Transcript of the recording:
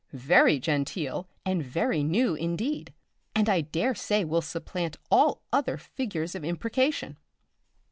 _ Very genteel, and very new, indeed! and I daresay will supplant all other figures of imprecation.